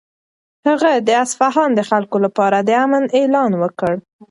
هغه د اصفهان د خلکو لپاره د امن اعلان وکړ.